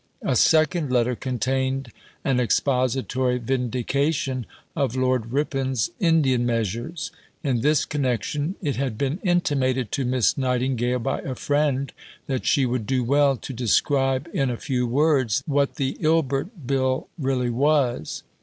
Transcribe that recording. A second letter contained an expository vindication of Lord Ripon's Indian measures. In this connection it had been intimated to Miss Nightingale by a friend that she would do well to describe in a few words what the Ilbert Bill really was.